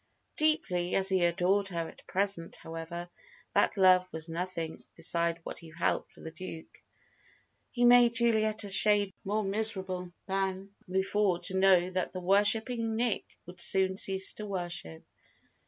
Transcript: Deeply as he adored her at present, however, that love was nothing beside what he felt for the Duke. It made Juliet a shade more miserable than before to know that the worshipping Nick would soon cease to worship.